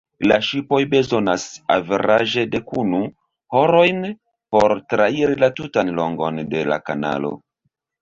La ŝipoj bezonas averaĝe dekunu horojn por trairi la tutan longon de la kanalo.